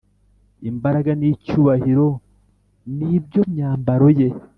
Imbaraga n’icyubahiro ni byo myambaro ye